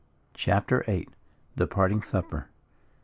CHAPTER VIII. THE PARTING SUPPER.